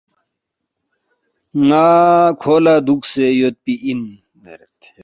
ن٘ا کھو لہ دُوکسے یودپی اِن